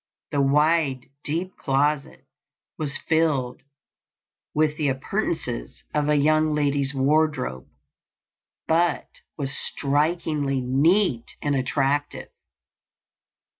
The wide deep closet was filled with the appurtenances of a young lady's wardrobe, but was strikingly neat and attractive.